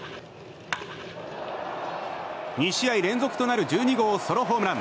２試合連続となる１２号ソロホームラン。